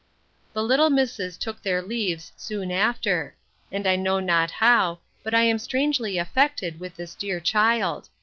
The little misses took their leaves soon after: and I know not how, but I am strangely affected with this dear child.